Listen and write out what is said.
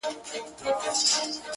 شرمنده ټول وزيران او جنرالان وه،